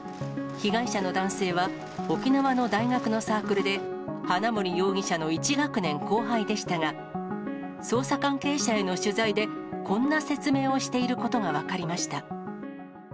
被害者の男性は、沖縄の大学のサークルで、花森容疑者の１学年後輩でしたが、捜査関係者への取材で、こんな説明をしていることが分かりました。